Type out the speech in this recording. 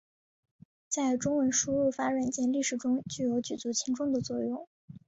在中文输入法软件历史中具有举足轻重的作用。